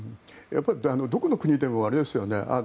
どの国でもあれですよね。